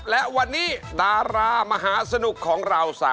และวันนี้ดารามหาสนุกของเราสามท่านพร้อม